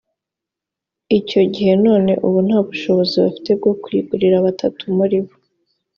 icyo gihe none ubu ntabushobozi bafite bwo kuyigurira batatu muri bo